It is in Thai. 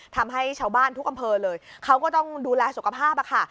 ทำให้ชาวบ้านทุกอำเภอเลยเขาก็ต้องดูแลสุขภาพค่ะ